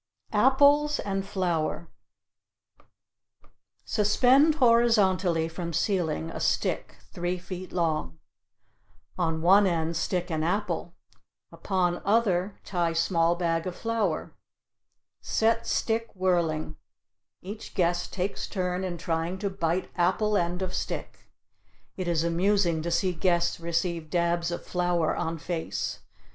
APPLES AND FLOUR Suspend horizontally from ceiling a stick three feet long. On one end stick an apple, upon other tie small bag of flour. Set stick whirling. Each guest takes turn in trying to bite apple end of stick. It is amusing to see guests receive dabs of flour on face.